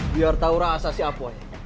biar tahu rasa si apoy